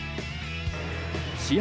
試合